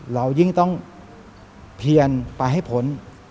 เรายิ่งต้องเพียนไปให้พ้น